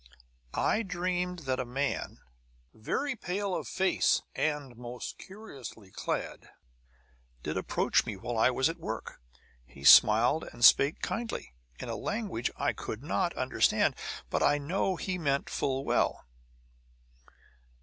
"I dreamed that a man, very pale of face and most curiously clad, did approach me while I was at work. He smiled and spake kindly, in a language I could not understand; but I know he meant full well.